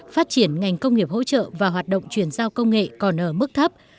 phát triển ngành công nghiệp hỗ trợ và hoạt động chuyển giao công nghệ còn ở mức thấp